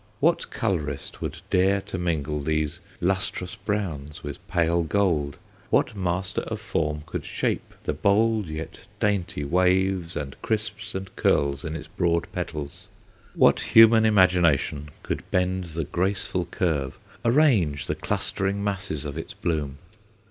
What colourist would dare to mingle these lustrous browns with pale gold, what master of form could shape the bold yet dainty waves and crisps and curls in its broad petals, what human imagination could bend the graceful curve, arrange the clustering masses of its bloom?